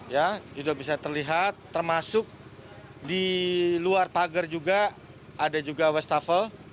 ya sudah bisa terlihat termasuk di luar pagar juga ada juga wastafel